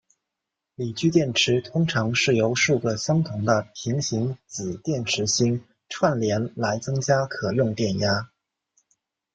锂聚电池通常是由数个相同的平行子电池芯串联来增加可用电压。